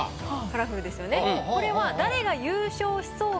カラフルですよねこれは。